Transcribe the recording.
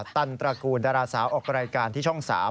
ตันตระกูลดาราสาวออกรายการที่ช่อง๓